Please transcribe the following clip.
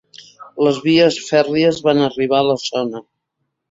Les vies fèrries van arribar a la zona.